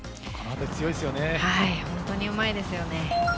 本当にうまいですよね。